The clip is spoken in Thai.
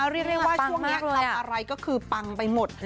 เรียกว่าช่วงนี้ทำอะไรก็คือปังไปหมด